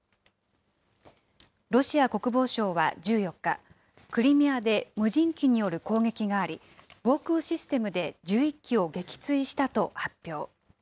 ロシア国防省は１４日、クリミアで無人機による攻撃があり、防空システムで１１機を撃墜したと発表。